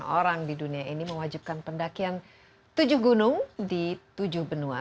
lima orang di dunia ini mewajibkan pendakian tujuh gunung di tujuh benua